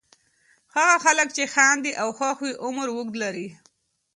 هغه خلک چې خاندي او خوښ وي عمر اوږد لري.